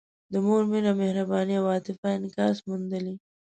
د مور مینه، مهرباني او عاطفه انعکاس موندلی.